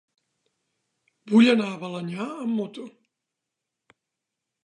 Vull anar a Balenyà amb moto.